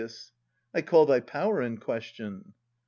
I call thy power in question.